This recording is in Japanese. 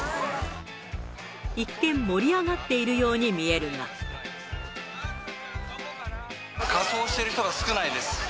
一見、盛り上がっているよう仮装している人が少ないです。